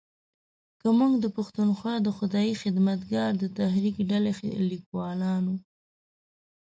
که موږ د پښتونخوا د خدایي خدمتګار د تحریک ډلې لیکوالانو